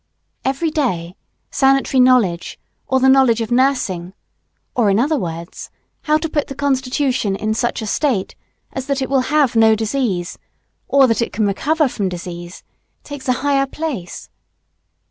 Every day sanitary knowledge, or the knowledge of nursing, or in other words, of how to put the constitution in such a state as that it will have no disease, or that it can recover from disease, takes a higher place.